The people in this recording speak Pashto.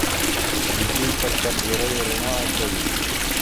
د دوی پر کمزوریو رڼا اچوي